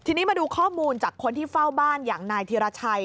ทีนี้มาดูข้อมูลจากคนที่เฝ้าบ้านอย่างนายธีรชัย